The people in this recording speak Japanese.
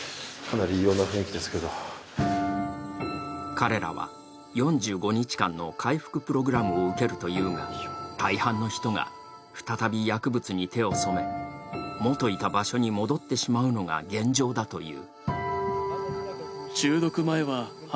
彼らは４５日間の回復プログラムを受けるというが、大半の人が再び薬物に手を染め、元いた場所に戻ってしまうのが現状だという。